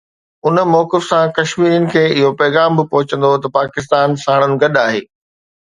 ان موقف سان ڪشميرين کي اهو پيغام به پهچندو ته پاڪستان ساڻن گڏ آهي.